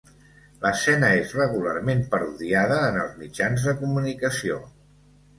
L'escena és regularment parodiada en els mitjans de comunicació.